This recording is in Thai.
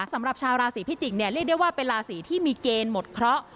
สำหรับชาวราศีพิจิกษ์เนี่ยเรียกได้ว่าเป็นราศีที่มีเกณฑ์หมดเคราะห์